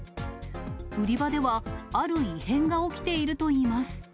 売り場では、ある異変が起きているといいます。